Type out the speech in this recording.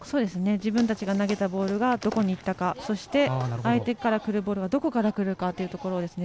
自分たちが投げたボールがどこにいったかそして、相手からくるボールがどこからくるかというところですね。